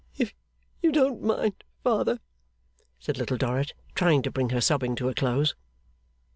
'If you wouldn't mind, father,' said Little Dorrit, trying to bring her sobbing to a close.